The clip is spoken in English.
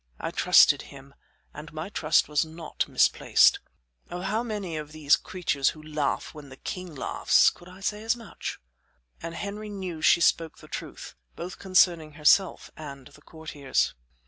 I trusted him, and my trust was not misplaced. Of how many of these creatures who laugh when the king laughs could I say as much?" And Henry knew she spoke the truth, both concerning herself and the courtiers.